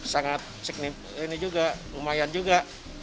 sangat ini juga lumayan juga